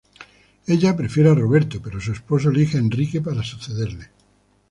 Ella prefiere a Roberto, pero su esposo elige a Enrique para sucederle.